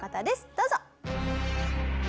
どうぞ。